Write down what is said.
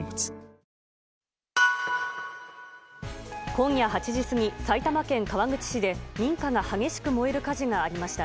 今夜８時過ぎ、埼玉県川口市で民家が激しく燃える火事がありました。